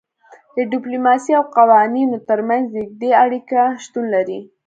د ډیپلوماسي او قوانینو ترمنځ نږدې اړیکه شتون لري